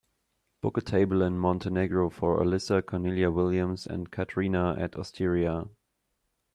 book a table in Montenegro for alissa, cornelia williams and katrina at osteria